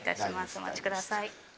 お待ちください。